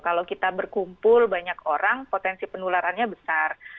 kalau kita berkumpul banyak orang potensi penularannya besar